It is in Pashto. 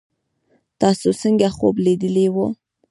تاسو څنګه خوب لیدلی وو